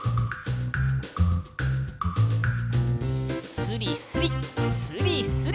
スリスリスリスリ。